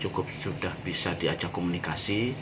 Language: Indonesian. cukup sudah bisa diajak komunikasi